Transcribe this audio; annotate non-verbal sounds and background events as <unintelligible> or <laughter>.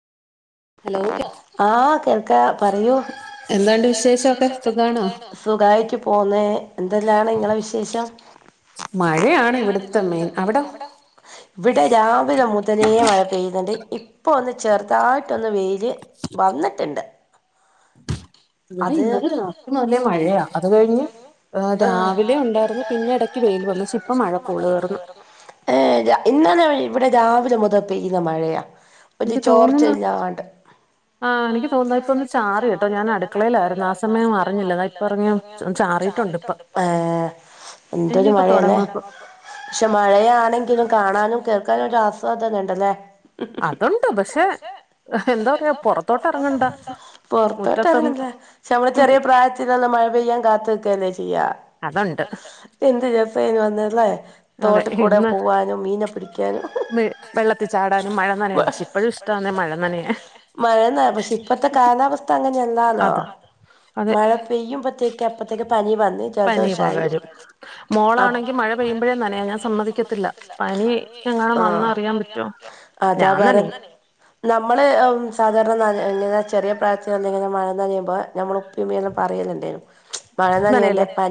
hello കേ ആഹ് കേൾക്കാ പറയൂ എന്താണ്ട് എന്നാ ണ്ട് വിശേഷമൊക്കെ വിശേഷോക്കെ സുഖാണോ സുഖായിട്ട് പോന്നേ എന്തെല്ലാണ് ങ്ങളെ വിശേഷം മഴയാണ് ഇവിടെത്തെ മെയിൻ അവിടെ ഇവിടെ രാവിലെ മുതലേ മഴ ത പെയ്യുന്നുണ്ട് ഇപ്പൊ ഒന്ന് ചെറുതായിട്ടൊന്ന് വെയില് വന്നട്ടിണ്ട് ഇവിടെ ഇന്നലെ രാത്രി മുതലേ മഴയാ അത് കഴിഞ്ഞ് ഏ രാവിലെ ഉണ്ടായിരുന്നു പിന്നെ ഇടക്ക് വെയിൽ വന്നു ക്ഷേ ഇപ്പ മഴക്കോളുകേറുന്നു <unintelligible> അ ഇവിടെ രാവിലെ മുതൽ പെയ്യുന്ന മഴയാ ഒരു എനിക്ക് തോന്നുന്നു ചോർച്ഛഇല്ലാണ്ട് ആ എനിക്ക് തോന്നുന്നു ഇപ്പ ഒന്ന് ചാറികേട്ടോ ഞാൻ അടുക്കളയിലായിരുന്നു ആ സമയം അറിഞ്ഞില്ല അതാ ഇപ്പ ഇറങ്ങി ചാറിയിട്ടുണ്ട് ഇപ്പൊ ചാറിട്ടുണ്ട് ഇപ്പ ആ എന്തൊരു ഇനിയിപ്പ മഴയല്ലേ തുടങ്ങും ഇപ്പൊ പക്ഷെ മഴയാണെങ്കിലും കാണാനും കേൾക്കാനും ഒരസ് വാത്ക്കെണ്ടല്ലേ അതുണ്ട്‌ പക്ഷേ ന്തോപ്പ പൊറത്തോട്ട് എറങ്ങണ്ട പൊറത്തോട്ട് മുറ്റത്തും ഇറങ്ങണ്ട നമ്മളെ ചെറിയ പ്രായത്തിലെല്ലാം മഴ പെയ്യാൻ കാത്ത്ക്കുകല്ലേ ചെയ്യുക അതുണ്ട് അതൊണ്ട് എന്ത് രസേനു അന്നല്ലേ അതെ തോട്ടികൂടെ ഇന്ന് പോവാനും മീനെ പിടിക്കാനും വെ- വെള്ളത്തിൽ ചാടാനും വെള്ളത്തിചടാനും മഴ നനയാൻ പക്ഷെ ഇപ്പോഴും <unintelligible> ഇപ്പഴും ഇഷ്ടമാണ് ഇഷ്ടാണ് മഴ നനയാൻ മഴ ന പക്ഷെ ഇപ്പ ഴത്തെ കാലാവസ്ഥ അങ്ങനെല്ലാലോ അത് അതെ മഴ പെയ്യുമ്പഴത്തേക്ക് അപ്പത്തേക്ക് പനി വന്ന പനി ജലദോഷായി അ മോളാണെങ്കി മഴ പെയ്യുമ്പയെ നനയും ഞാൻ സമ്മതിക്കത്തില്ല പനി ആ വന്നാ അറിയാൻ പറ്റോ അതാ ഞാൻ നനയും പറഞ്ഞെ നമ്മള് സാധാ ഇങ്ങനെ ചെറിയ പ്രായത്തിൽ ഇങ്ങനെ മഴ നനിയുമ്പോ നമ്മൾ ഉപ്പ ഉമ്മല്ലോ പറയലണ്ടേനു വളന്ന നനയല്ലേ എന്റെ പ